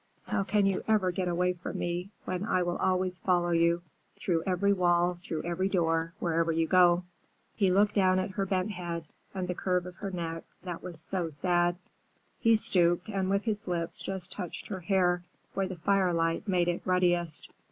How can you ever get away from me when I will always follow you, through every wall, through every door, wherever you go." He looked down at her bent head, and the curve of her neck that was so sad. He stooped, and with his lips just touched her hair where the firelight made it ruddiest.